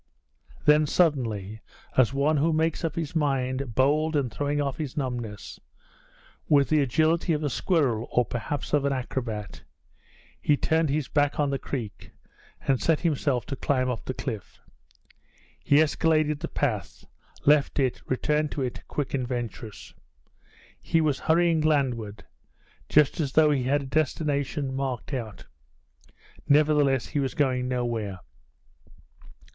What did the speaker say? Then suddenly, as one who makes up his mind, bold, and throwing off his numbness with the agility of a squirrel, or perhaps of an acrobat he turned his back on the creek, and set himself to climb up the cliff. He escaladed the path, left it, returned to it, quick and venturous. He was hurrying landward, just as though he had a destination marked out; nevertheless he was going nowhere.